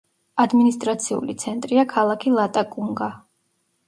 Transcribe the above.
ადმინისტრაციული ცენტრია ქალაქი ლატაკუნგა.